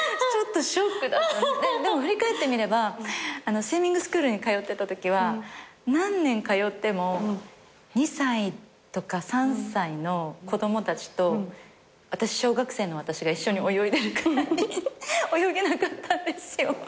でも振り返ってみればスイミングスクールに通ってたときは何年通っても２歳とか３歳の子供たちと小学生の私が一緒に泳いでるくらい泳げなかったんですよ。